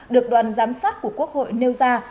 được đoàn giám sát của quốc hội nêu ra